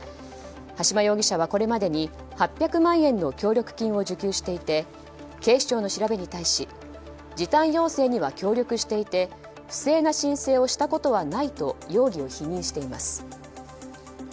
羽島容疑者はこれまでに８００万円の協力金を受給していて警視庁の調べに対し時短要請には協力していて不正な申請をしたことはないと容疑を否認しています。